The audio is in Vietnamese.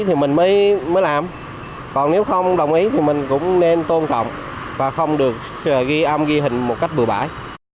thì mình mới làm còn nếu không đồng ý thì mình cũng nên tôn trọng và không được ghi âm ghi hình một cách bừa bãi